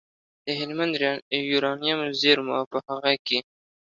د هلمند یورانیمو زېرمو او په هغه کې